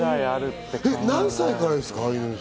何歳からですか？